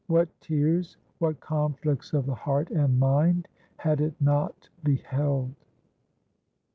What tears, what conflicts of the heart and mind had it not beheld!"